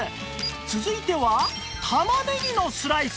続いてはたまねぎのスライス